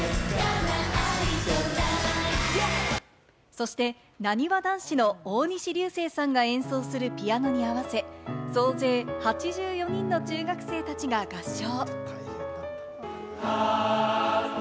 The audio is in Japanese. そして、なにわ男子の大西流星さんが演奏するピアノに合わせ、総勢８４人の中学生たちが合唱。